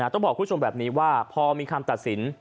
ต้องบอกคุณผู้ชมแบบนี้ว่าพอมีคำตัดสิน